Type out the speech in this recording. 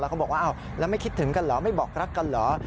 แล้วเขาบอกว่าแล้วไม่คิดถึงกันหรือไม่บอกรักกันหรือ